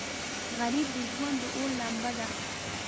غریب د ژوند د اور لمبه ده